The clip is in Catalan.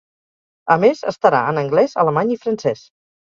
A més estarà en anglès, alemany i francès.